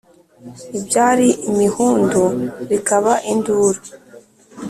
ibyari imhundu bikaba induru